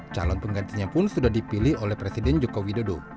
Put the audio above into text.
calon penggantinya pun sudah dipilih oleh presiden joko widodo